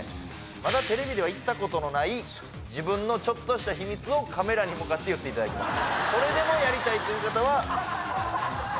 まだテレビでは言ったことのない自分のちょっとした秘密をカメラに向かって言っていただきます